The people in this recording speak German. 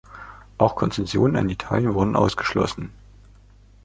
Auch Konzessionen an Italien wurden ausgeschlossen.